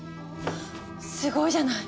すごいじゃない！